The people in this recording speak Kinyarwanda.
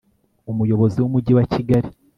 umuyobozi w'umujyi wa kigali